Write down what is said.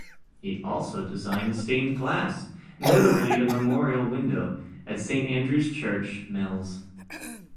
He also designed stained glass, notably a memorial window at Saint Andrew's Church, Mells.